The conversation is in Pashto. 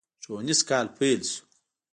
ښوونيز کال پيل شو.